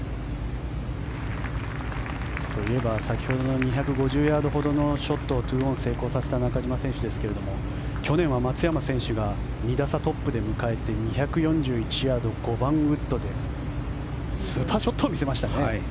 先ほどの２５０ヤードほどの２オン成功させた中島選手ですが去年は松山選手が２打差トップで迎えて２４１ヤード、５番ウッドでスーパーショットを見せましたね。